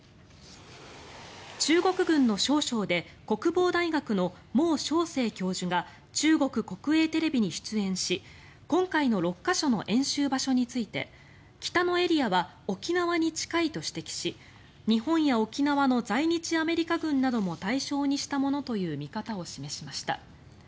中国軍の少将で、国防大学のモウ・ショウセイ教授が中国国営テレビに出演し今回の６か所の演習場所について北のエリアは沖縄に近いと指摘し日本や沖縄の在日アメリカ軍なども対象にしたものという見方を示しました。